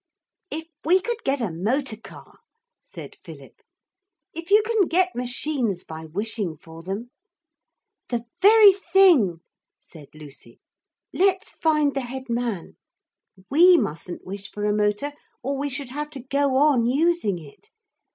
'If we could get a motor car!' said Philip. 'If you can get machines by wishing for them. ...' 'The very thing,' said Lucy, 'let's find the head man. We mustn't wish for a motor or we should have to go on using it.